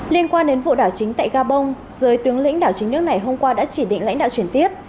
liên quan đến vụ đảo chính tại gabon giới tướng lĩnh đảo chính nước này hôm qua đã chỉ định lãnh đạo chuyển tiếp